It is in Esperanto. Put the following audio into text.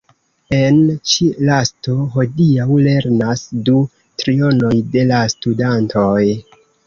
En ĉi-lasto hodiaŭ lernas du trionoj de la studantoj.